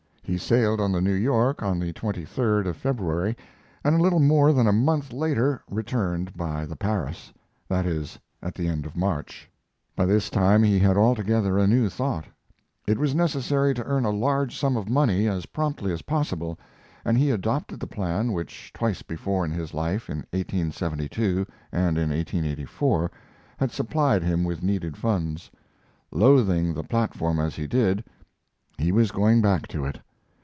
He sailed on the New York on the end of February, and a little more than a month later returned by the Paris that is, at the end of March. By this time he had altogether a new thought. It was necessary to earn a large sum of money as promptly as possible, and he adopted the plan which twice before in his life in 1872 and in 1884: had supplied him with needed funds. Loathing the platform as he did, he was going back to it.